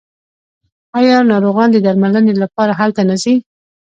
آیا ناروغان د درملنې لپاره هلته نه ځي؟